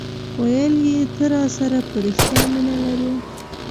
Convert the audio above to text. ویل یي ته راسره په ریښتیا مینه لرې